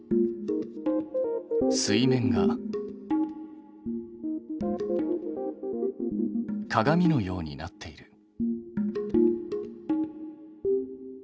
水面が鏡のようになっている。